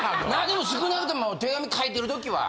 でも少なくとも手紙書いてる時は。